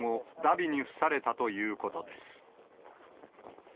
びに付されたということです。